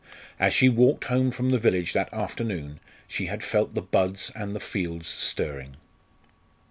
As she walked home from the village that afternoon she had felt the buds and the fields stirring.